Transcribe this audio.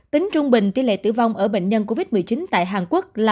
tính trung bình tỷ lệ tử vong ở bệnh nhân covid một mươi chín tại hàn quốc là bảy mươi chín